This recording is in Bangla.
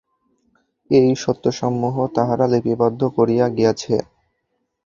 এই সত্যসমূহ তাঁহারা লিপিবদ্ধ করিয়া গিয়াছেন।